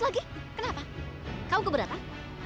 lagi kenapa kamu keberatan